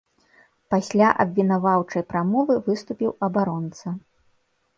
Пасля абвінаваўчай прамовы выступіў абаронца.